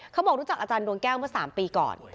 เขาบอกรู้จักอาจารย์ดวงแก้วเมื่อ๓ปีก่อน